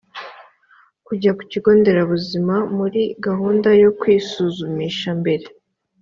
kujya ku kigo nderabuzima muri gahunda yo kwisuzumisha mbere